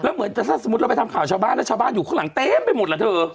เหมือนแต่ถ้าสมมุติเราไปทำข่าวชาวบ้านแล้วชาวบ้านอยู่ข้างหลังเต็มไปหมดล่ะเธอ